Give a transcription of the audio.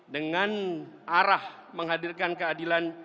dengan arah menghadirkan keadilan